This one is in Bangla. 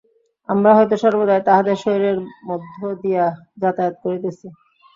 আমরা হয়তো সর্বদাই তাহাদের শরীরের মধ্য দিয়া যাতায়াত করিতেছি।